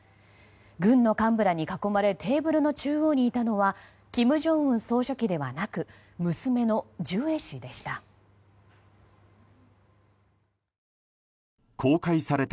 軍の幹部らに囲まれテーブルの中央にいたのは金正恩総書記ではなく娘のジュエ氏でした。